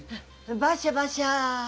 バシャバシャ。